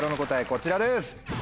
こちらです。